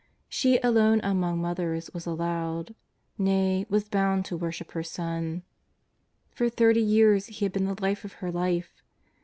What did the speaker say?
She alone among mothers was allowed, nay, was bound to worship her Son. For thirty years He had been the Life of her life.